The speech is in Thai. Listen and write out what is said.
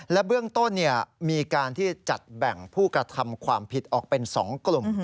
และเบื้องต้นมีการที่จัดแบ่งผู้กระทำความผิดออกเป็น๒กลุ่ม